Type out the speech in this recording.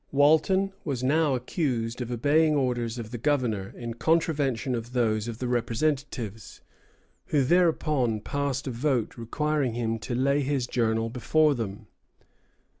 Walton was now accused of obeying orders of the governor in contravention of those of the representatives, who thereupon passed a vote requiring him to lay his journal before them.